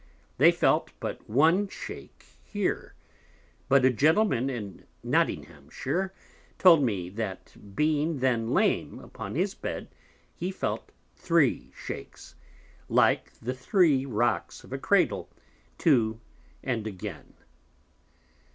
They felt but one Shake here: but a Gentleman in Nottinghamshire told me, that being then lame upon his Bed, he felt three Shakes, like the three Rocks of a Cradle, to and again.